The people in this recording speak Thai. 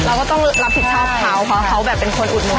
เราก็ต้องรับผิดชอบเขาเพราะเขาแบบเป็นคนอุดหนุน